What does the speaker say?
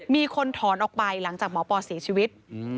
มีคนถอนออกไปหลังจากหมอปอเสียชีวิต